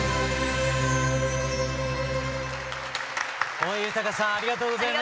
大江裕さんありがとうございました。